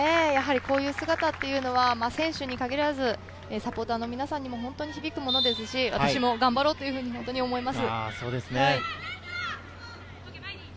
こういう姿は選手に限らず、サポーターの皆さんにも響くものですし、私も頑張ろうというふうに思います。